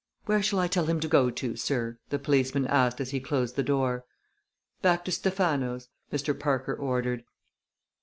"Where shall I tell him to go to, sir?" the policeman asked as he closed the door. "Back to Stephano's!" Mr. Parker ordered.